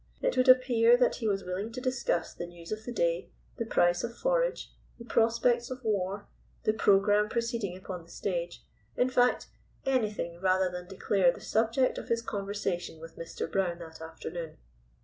It would appear that he was willing to discuss the news of the day, the price of forage, the prospects of war, the programme proceeding upon the stage, in fact, anything rather than declare the subject of his conversation with Mr. Brown that afternoon.